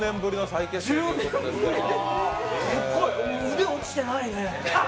腕落ちてないね。